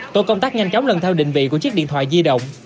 tổ công tác nhanh chóng lần theo định vị của chiếc điện thoại di động